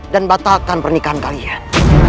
dan batalkan pernikahan kalian